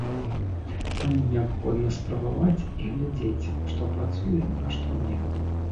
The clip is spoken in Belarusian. Таму неабходна спрабаваць і глядзець, што працуе, а што не.